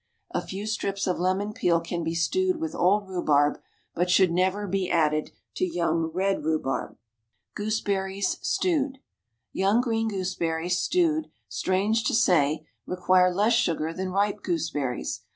A few strips of lemon peel can be stewed with old rhubarb, but should never be added to young red rhubarb. GOOSEBERRIES, STEWED. Young green gooseberries stewed, strange to say, require less sugar than ripe gooseberries.